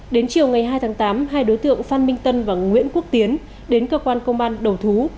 đến chiều ngày hai tháng tám hai đối tượng phan minh tân và nguyễn quốc tiến đến cơ quan công an đầu thú